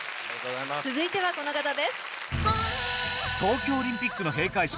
続いてはこの方です。